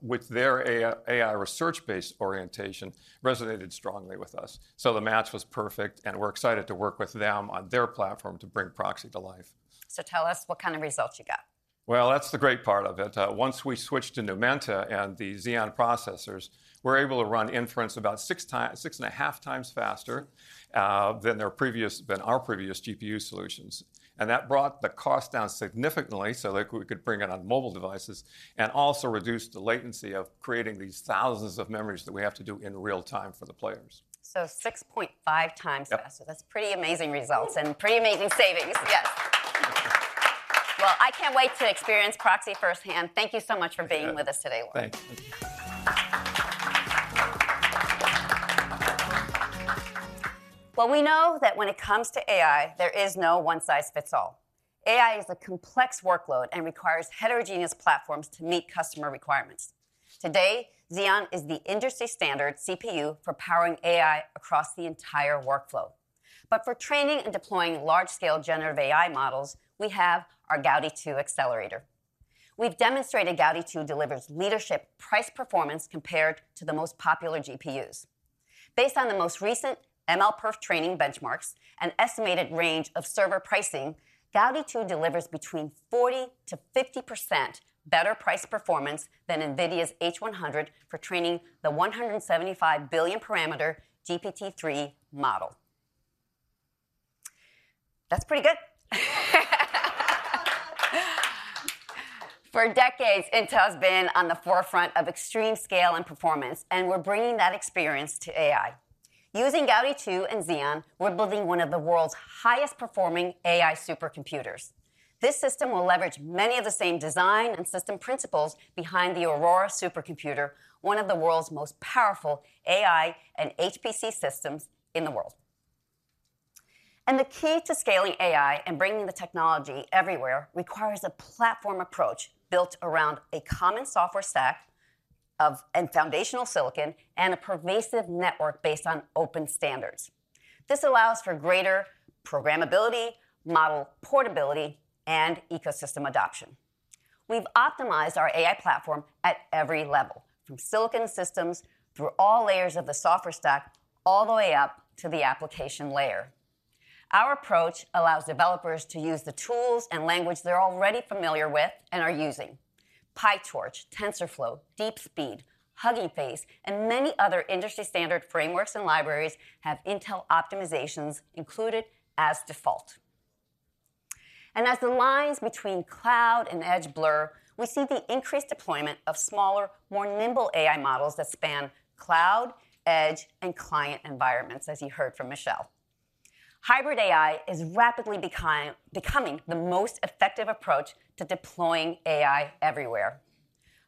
with their AI research-based orientation resonated strongly with us. So the match was perfect, and we're excited to work with them on their platform to bring Proxy to life. So tell us what kind of results you got? Well, that's the great part of it. Once we switched to Numenta and the Xeon processors, we're able to run inference about 6x - 6.5x faster than their previous... than our previous GPU solutions. And that brought the cost down significantly, so, like, we could bring it on mobile devices, and also reduced the latency of creating these thousands of memories that we have to do in real time for the players. 6.5xfaster. Yep. That's pretty amazing results and pretty amazing savings. Yes. Well, I can't wait to experience Proxy firsthand. Thank you so much for being with us today, Wright. Thanks. Thank you. Well, we know that when it comes to AI, there is no one size fits all. AI is a complex workload and requires heterogeneous platforms to meet customer requirements. Today, Xeon is the industry standard CPU for powering AI across the entire workflow. But for training and deploying large-scale generative AI models, we have our Gaudi 2 accelerator. We've demonstrated Gaudi 2 delivers leadership price performance compared to the most popular GPUs. Based on the most recent MLPerf training benchmarks and estimated range of server pricing, Gaudi 2 delivers between 40%-50% better price performance than NVIDIA's H100 for training the 175 billion parameter GPT-3 model. That's pretty good. For decades, Intel has been on the forefront of extreme scale and performance, and we're bringing that experience to AI. Using Gaudi 2 and Xeon, we're building one of the world's highest-performing AI supercomputers. This system will leverage many of the same design and system principles behind the Aurora supercomputer, one of the world's most powerful AI and HPC systems in the world. The key to scaling AI and bringing the technology everywhere requires a platform approach built around a common software stack of and foundational silicon, and a pervasive network based on open standards. This allows for greater programmability, model portability, and ecosystem adoption. We've optimized our AI platform at every level, from silicon systems through all layers of the software stack, all the way up to the application layer. Our approach allows developers to use the tools and language they're already familiar with and are using. PyTorch, TensorFlow, DeepSpeed, Hugging Face, and many other industry-standard frameworks and libraries have Intel optimizations included as default. As the lines between cloud and edge blur, we see the increased deployment of smaller, more nimble AI models that span cloud, edge, and client environments, as you heard from Michelle. Hybrid AI is rapidly becoming the most effective approach to deploying AI everywhere.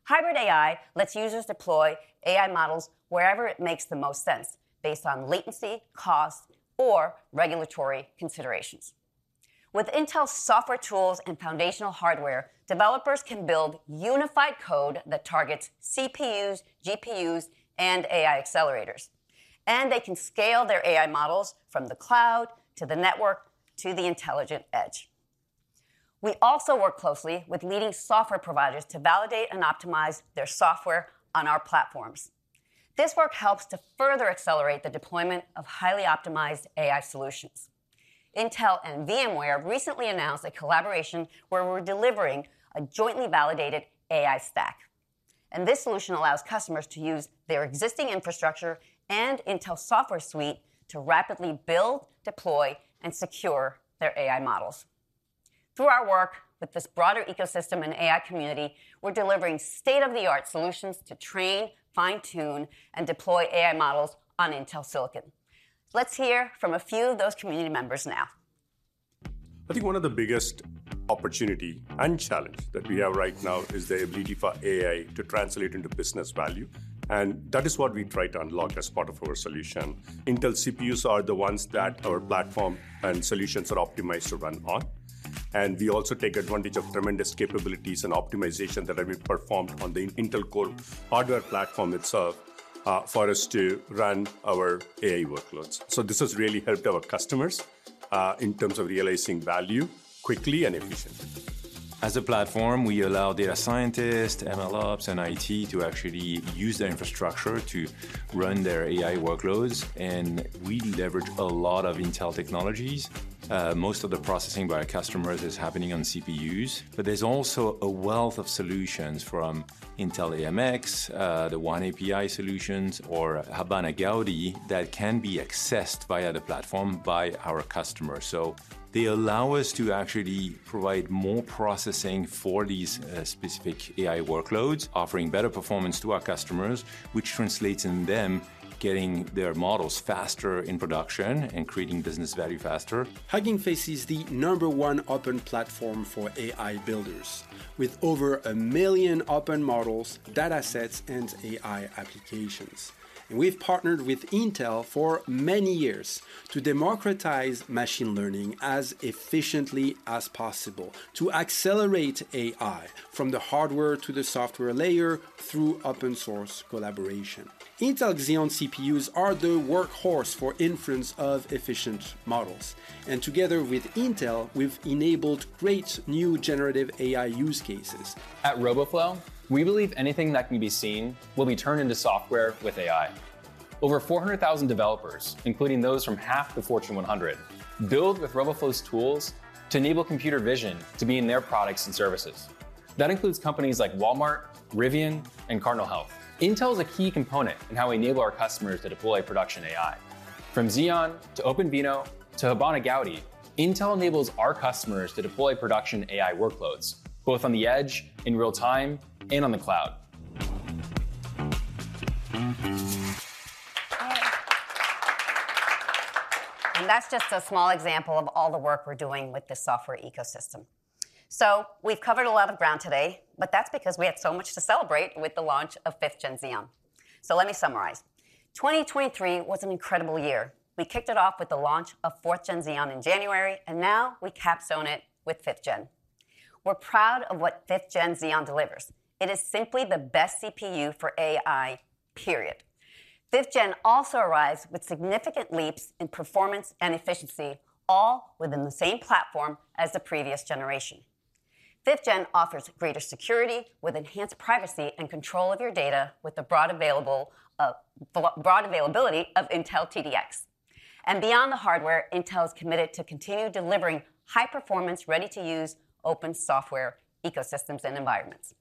Hybrid AI lets users deploy AI models wherever it makes the most sense, based on latency, cost, or regulatory considerations. With Intel's software tools and foundational hardware, developers can build unified code that targets CPUs, GPUs, and AI accelerators, and they can scale their AI models from the cloud to the network to the intelligent edge. We also work closely with leading software providers to validate and optimize their software on our platforms. This work helps to further accelerate the deployment of highly optimized AI solutions. Intel and VMware recently announced a collaboration where we're delivering a jointly validated AI stack, and this solution allows customers to use their existing infrastructure and Intel software suite to rapidly build, deploy, and secure their AI models. Through our work with this broader ecosystem and AI community, we're delivering state-of-the-art solutions to train, fine-tune, and deploy AI models on Intel silicon. Let's hear from a few of those community members now. I think one of the biggest opportunity and challenge that we have right now is the ability for AI to translate into business value, and that is what we try to unlock as part of our solution. Intel CPUs are the ones that our platform and solutions are optimized to run on, and we also take advantage of tremendous capabilities and optimization that have been performed on the Intel Core hardware platform itself, for us to run our AI workloads. So this has really helped our customers, in terms of realizing value quickly and efficiently. As a platform, we allow data scientists, MLOps, and IT to actually use their infrastructure to run their AI workloads, and we leverage a lot of Intel technologies. Most of the processing by our customers is happening on CPUs, but there's also a wealth of solutions from Intel AMX, the oneAPI solutions, or Habana Gaudi, that can be accessed via the platform by our customers. So they allow us to actually provide more processing for these specific AI workloads, offering better performance to our customers, which translates in them getting their models faster in production and creating business value faster. Hugging Face is the number one open platform for AI builders, with over a million open models, data sets, and AI applications. We've partnered with Intel for many years to democratize machine learning as efficiently as possible, to accelerate AI from the hardware to the software layer through open source collaboration. Intel Xeon CPUs are the workhorse for inference of efficient models, and together with Intel, we've enabled great new generative AI use cases. At Roboflow, we believe anything that can be seen will be turned into software with AI. Over 400,000 developers, including those from half the Fortune 100, build with Roboflow's tools to enable computer vision to be in their products and services. That includes companies like Walmart, Rivian, and Cardinal Health. Intel is a key component in how we enable our customers to deploy production AI. From Xeon, to OpenVINO, to Habana Gaudi, Intel enables our customers to deploy production AI workloads, both on the edge, in real time, and on the cloud. That's just a small example of all the work we're doing with the software ecosystem. We've covered a lot of ground today, but that's because we had so much to celebrate with the launch of 5th Gen Xeon. Let me summarize. 2023 was an incredible year. We kicked it off with the launch of 4th Gen Xeon in January, and now we capstone it with 5th Gen. We're proud of what 5th Gen Xeon delivers. It is simply the best CPU for AI, period. 5th Gen also arrives with significant leaps in performance and efficiency, all within the same platform as the previous generation. 5th Gen offers greater security with enhanced privacy and control of your data, with the broad availability of Intel TDX. And beyond the hardware, Intel is committed to continue delivering high performance, ready-to-use, open software ecosystems and environments.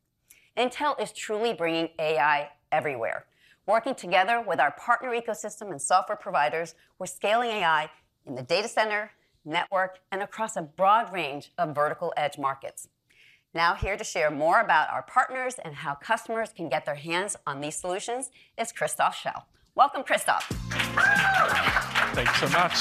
Intel is truly bringing AI everywhere. Working together with our partner ecosystem and software providers, we're scaling AI in the data center, network, and across a broad range of vertical edge markets. Now, here to share more about our partners and how customers can get their hands on these solutions is Christoph Schell. Welcome, Christoph. Thanks so much.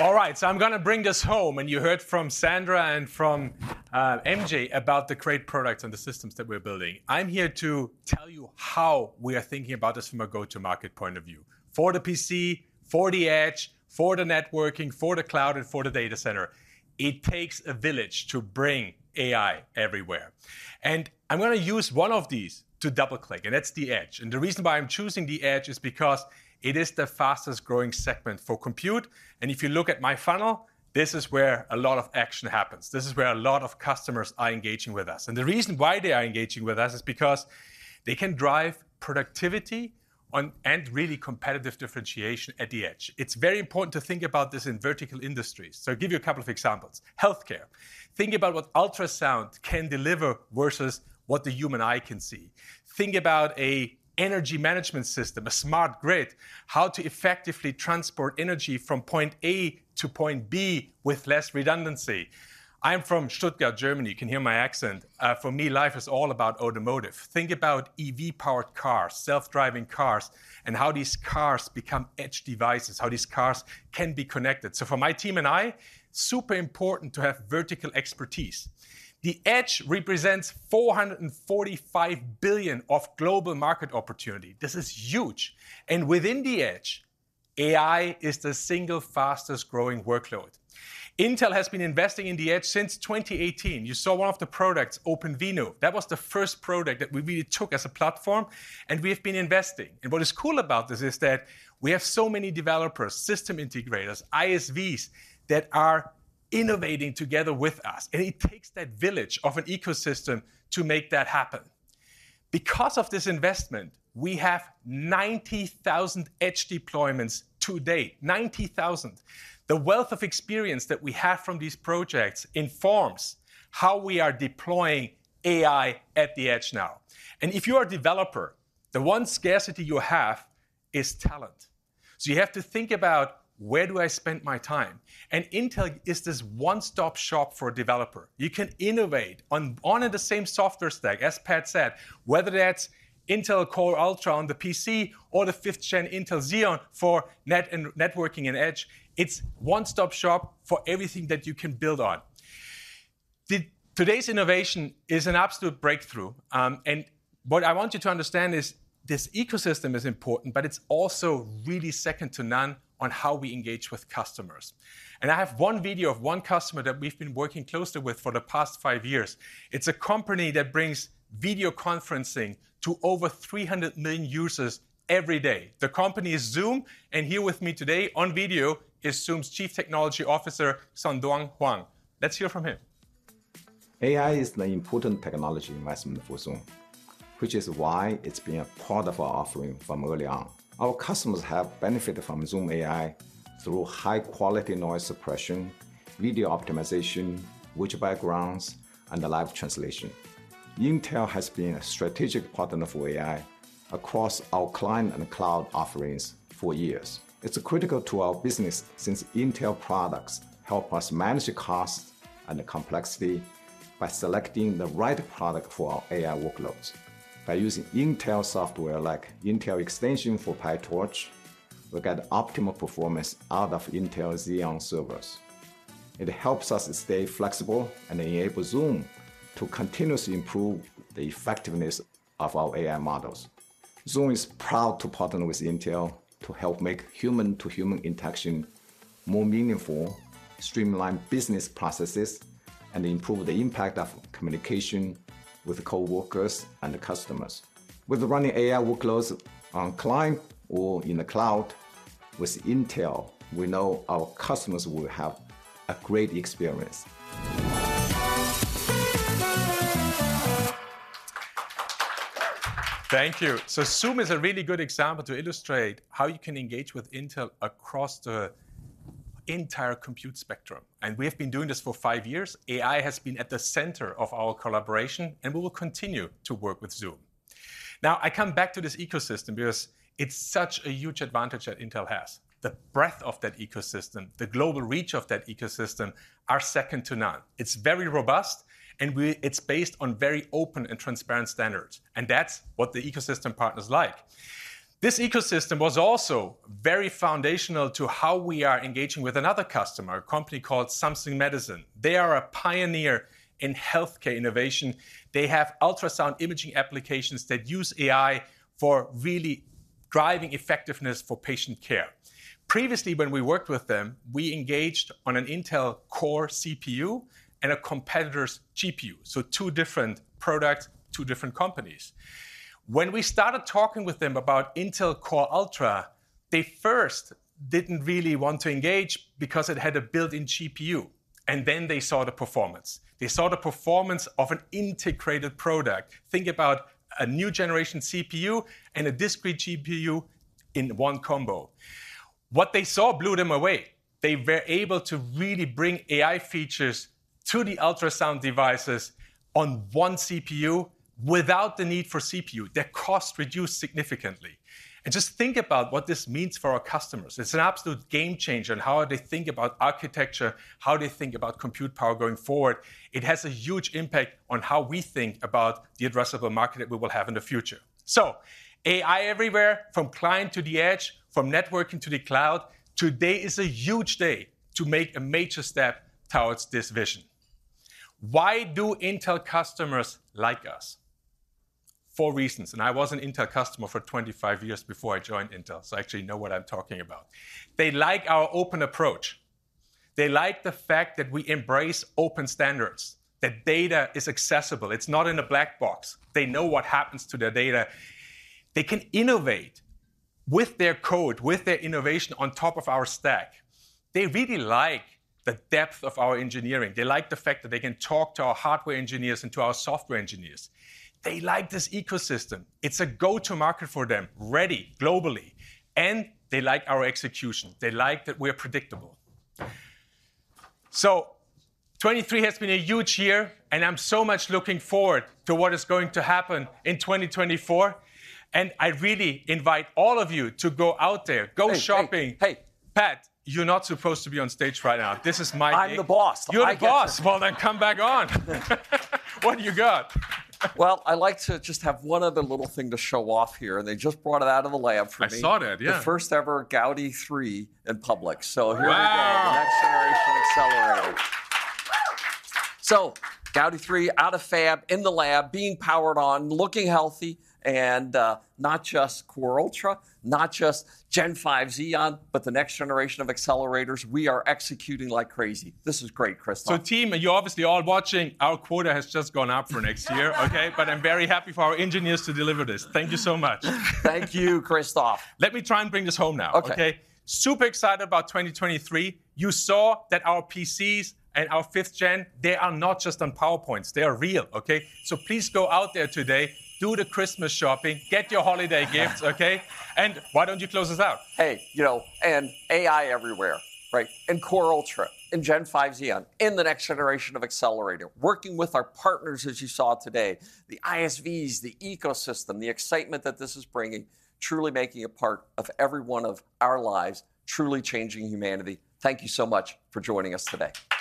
All right, so I'm going to bring this home, and you heard from Sandra and from MJ about the great products and the systems that we're building. I'm here to tell you how we are thinking about this from a go-to-market point of view. For the PC, for the edge, for the networking, for the cloud, and for the data center, it takes a village to bring AI everywhere. And I'm going to use one of these to double click, and that's the edge. And the reason why I'm choosing the edge is because it is the fastest growing segment for compute. And if you look at my funnel, this is where a lot of action happens. This is where a lot of customers are engaging with us. The reason why they are engaging with us is because they can drive productivity on and really competitive differentiation at the edge. It's very important to think about this in vertical industries. I'll give you a couple of examples. Healthcare. Think about what ultrasound can deliver versus what the human eye can see. Think about an energy management system, a smart grid, how to effectively transport energy from point A to point B with less redundancy. I'm from Stuttgart, Germany. You can hear my accent. For me, life is all about automotive. Think about EV-powered cars, self-driving cars, and how these cars become edge devices, how these cars can be connected. For my team and I, super important to have vertical expertise. The edge represents $445 billion of global market opportunity. This is huge! Within the edge, AI is the single fastest growing workload. Intel has been investing in the edge since 2018. You saw one of the products, OpenVINO. That was the first product that we really took as a platform, and we have been investing. And what is cool about this is that we have so many developers, system integrators, ISVs, that are innovating together with us, and it takes that village of an ecosystem to make that happen. Because of this investment, we have 90,000 edge deployments to date, 90,000. The wealth of experience that we have from these projects informs how we are deploying AI at the edge now. And if you are a developer, the one scarcity you have is talent. So you have to think about, "Where do I spend my time?" And Intel is this one-stop shop for a developer. You can innovate on the same software stack, as Pat said, whether that's Intel Core Ultra on the PC or the fifth gen Intel Xeon for net, and networking and edge. It's one-stop shop for everything that you can build on. Today's innovation is an absolute breakthrough. And what I want you to understand is, this ecosystem is important, but it's also really second to none on how we engage with customers. And I have one video of one customer that we've been working closely with for the past five years. It's a company that brings video conferencing to over 300 million users every day. The company is Zoom, and here with me today on video is Zoom's Chief Technology Officer, Xuedong Huang. Let's hear from him. AI is an important technology investment for Zoom, which is why it's been a part of our offering from early on. Our customers have benefited from Zoom AI through high-quality noise suppression, video optimization, virtual backgrounds, and live translation. Intel has been a strategic partner for AI across our client and cloud offerings for years. It's critical to our business, since Intel products help us manage the cost and the complexity by selecting the right product for our AI workloads. By using Intel software, like Intel Extension for PyTorch, we get optimal performance out of Intel Xeon servers. It helps us to stay flexible and enable Zoom to continuously improve the effectiveness of our AI models. Zoom is proud to partner with Intel to help make human-to-human interaction more meaningful, streamline business processes, and improve the impact of communication with coworkers and customers. With running AI workloads on client or in the cloud with Intel, we know our customers will have a great experience. Thank you. So Zoom is a really good example to illustrate how you can engage with Intel across the entire compute spectrum, and we have been doing this for five years. AI has been at the center of our collaboration, and we will continue to work with Zoom. Now, I come back to this ecosystem because it's such a huge advantage that Intel has. The breadth of that ecosystem, the global reach of that ecosystem, are second to none. It's very robust, and it's based on very open and transparent standards, and that's what the ecosystem partners like. This ecosystem was also very foundational to how we are engaging with another customer, a company called Samsung Medicine. They are a pioneer in healthcare innovation. They have ultrasound imaging applications that use AI for really driving effectiveness for patient care. Previously, when we worked with them, we engaged on an Intel Core CPU and a competitor's GPU, so two different products, two different companies. When we started talking with them about Intel Core Ultra, they first didn't really want to engage because it had a built-in GPU, and then they saw the performance. They saw the performance of an integrated product. Think about a new generation CPU and a discrete GPU in one combo. What they saw blew them away. They were able to really bring AI features to the ultrasound devices on one CPU without the need for CPU. Their cost reduced significantly. And just think about what this means for our customers. It's an absolute game changer in how they think about architecture, how they think about compute power going forward. It has a huge impact on how we think about the addressable market that we will have in the future. AI everywhere, from client to the edge, from networking to the cloud. Today is a huge day to make a major step towards this vision. Why do Intel customers like us? Four reasons, and I was an Intel customer for 25 years before I joined Intel, so I actually know what I'm talking about. They like our open approach. They like the fact that we embrace open standards, that data is accessible. It's not in a black box. They know what happens to their data. They can innovate with their code, with their innovation on top of our stack. They really like the depth of our engineering. They like the fact that they can talk to our hardware engineers and to our software engineers. They like this ecosystem. It's a go-to-market for them, ready globally, and they like our execution. They like that we're predictable. So 2023 has been a huge year, and I'm so much looking forward to what is going to happen in 2024, and I really invite all of you to go out there, go shopping- Hey, hey, hey! Pat, you're not supposed to be on stage right now. This is my thing. I'm the boss. You're the boss? I get to- Well, then come back on. What do you got? Well, I'd like to just have one other little thing to show off here, and they just brought it out of the lab for me. I saw that, yeah. The first ever Gaudi 3 in public, so here we go. Wow! The next-generation accelerator. So Gaudi 3, out of fab, in the lab, being powered on, looking healthy, and not just Core Ultra, not just Gen 5 Xeon, but the next generation of accelerators. We are executing like crazy. This is great, Christoph. So, team, and you're obviously all watching, our quota has just gone up for next year, okay? But I'm very happy for our engineers to deliver this. Thank you so much. Thank you, Christoph. Let me try and bring this home now. Okay. Super excited about 2023. You saw that our PCs and our fifth gen, they are not just on PowerPoints, they are real, okay? So please go out there today, do the Christmas shopping, get your holiday gifts, okay? And why don't you close us out? Hey, you know, and AI everywhere, right? And Core Ultra, and Gen 5 Xeon, and the next generation of accelerator. Working with our partners, as you saw today, the ISVs, the ecosystem, the excitement that this is bringing, truly making it part of every one of our lives, truly changing humanity. Thank you so much for joining us today.